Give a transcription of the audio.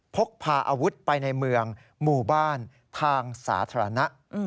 พกพาอาวุธไปในเมืองหมู่บ้านทางสาธารณะ